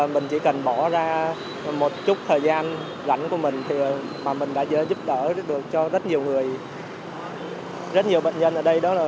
mình chỉ cần bỏ ra một chút thời gian rảnh của mình mà mình đã giúp đỡ được cho rất nhiều người rất nhiều bệnh nhân ở đây